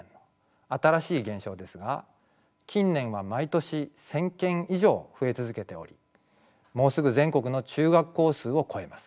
新しい現象ですが近年は毎年１，０００件以上増え続けておりもうすぐ全国の中学校数を超えます。